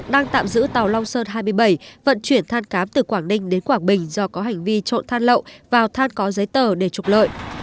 đang tạm giữ tàu long sơn hai mươi bảy vận chuyển than cám từ quảng ninh đến quảng bình do có hành vi trộn than lậu vào than có giấy tờ để trục lợi